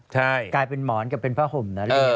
ใช่กลายเป็นหมอนกับเป็นผ้าห่มนะลูก